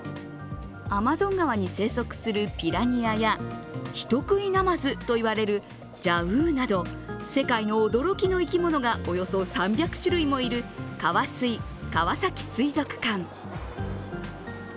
アマゾン川に生息するピラニアや人食いナマズといわれるジャウーなど世界の驚きの生き物がおよそ３００種類もいる、カワスイ川崎水族館。